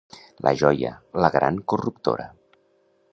—La joia, la gran corruptora!